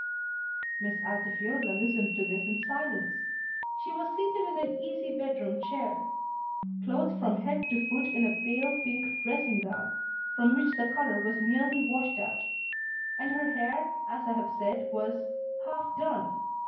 Miss Altifiorla listened to this in silence. She was seated in an easy bedroom chair, clothed from head to foot in a pale pink dressing gown, from which the colour was nearly washed out; and her hair as I have said was "half done."